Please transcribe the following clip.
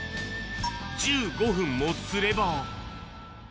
１５分もすれば。